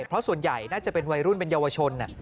เพราะส่วนใหญ่น่าจะเป็นวัยรุ่นเป็นเยาวชน